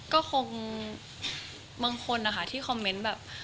ก็คงบางคนนะคะที่คอมเมนต์แบบ